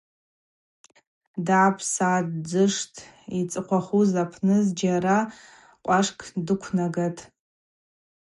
Дгӏапсатӏ, ддзыштӏ, йцӏыхъвахуз апны зджьара къвашкӏ дыквнагатӏ.